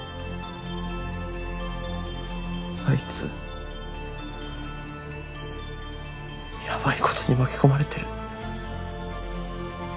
あいつやばいことに巻き込まれてる。